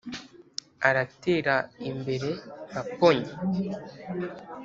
aratera imbere nka pony,